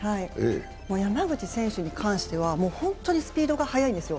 山口選手に関しては本当にスピードが速いんですよ。